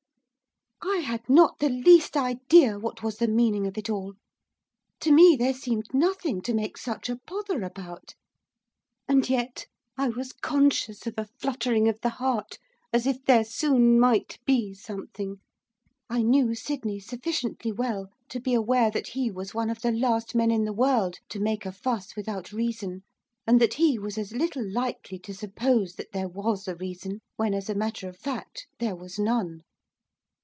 I had not the least idea what was the meaning of it all. To me there seemed nothing to make such a pother about. And yet I was conscious of a fluttering of the heart as if there soon might be something. I knew Sydney sufficiently well to be aware that he was one of the last men in the world to make a fuss without reason, and that he was as little likely to suppose that there was a reason when as a matter of fact there was none.